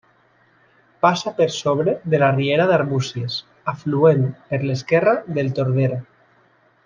Passa per sobre de la riera d'Arbúcies, afluent per l'esquerra del Tordera.